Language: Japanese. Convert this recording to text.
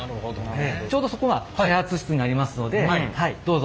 ちょうどそこが開発室になりますのでどうぞ。